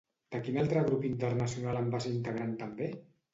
De quin altre grup internacional en va ser integrant també?